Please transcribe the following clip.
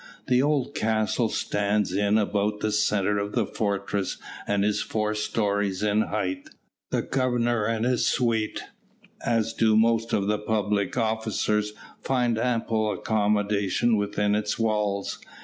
The old castle stands in about the centre of the fortress, and is four storeys in height. The Governor and his suite, as do most of the public officers, find ample accommodation within its walls.